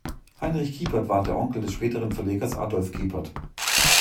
Heinrich Kiepert war der Onkel des späteren Verlegers Adolf Kiepert.